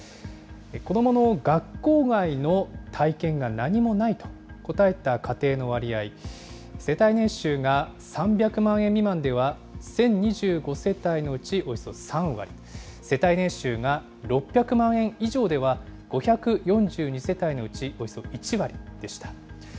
子どもの学校外の体験が何もないと答えた家庭の割合、世帯年収が３００万円未満では１０２５世帯のうちおよそ３割、世帯年収が６００万円以上では、５４２世帯のうちおよそ１割でした。